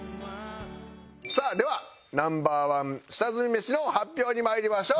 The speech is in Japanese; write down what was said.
さあではナンバーワン下積みメシの発表に参りましょう。